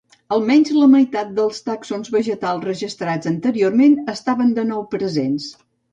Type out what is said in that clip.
Almenys la meitat dels tàxons vegetals registrats anteriorment estaven de nou presents.